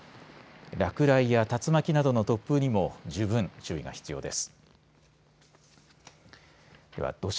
落雷や竜巻などの突風にも十分、注意が必要です。